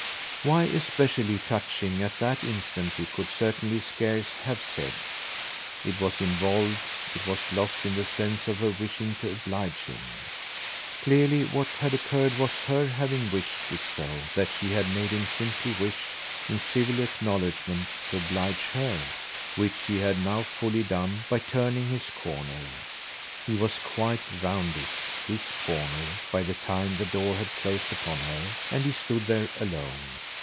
Why especially touching at that instant he could certainly scarce have said; it was involved, it was lost in the sense of her wishing to oblige him. Clearly what had occurred was her having wished it so that she had made him simply wish, in civil acknowledgement, to oblige HER; which he had now fully done by turning his corner. He was quite round it, his corner, by the time the door had closed upon her and he stood there alone.